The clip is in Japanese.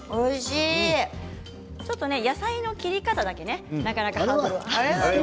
野菜の切り方だけなかなかハードルが。